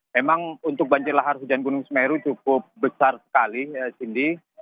memang untuk banjir lahar hujan gunung semeru cukup besar sekali cindy